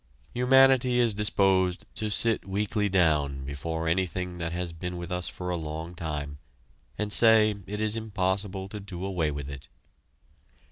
Humanity is disposed to sit weakly down before anything that has been with us for a long time, and say it is impossible to do away with it.